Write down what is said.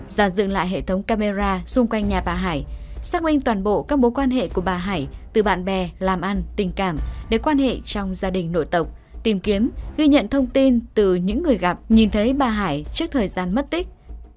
giả dựng lại hệ thống camera xung quanh nhà bà hải xác minh toàn bộ các mối quan hệ của bà hải từ bạn bè làm ăn tình cảm để quan hệ trong gia đình nổi tộc tìm kiếm ghi nhận thông tin từ những người gặp nhìn thấy bà hải trước thời gian mất tích